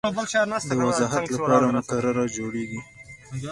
د وضاحت لپاره مقرره جوړیږي.